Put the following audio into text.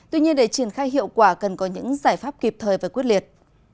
tuy nhiên để triển khai hiệu quả cần có những giải pháp kịp thời và quyết liệt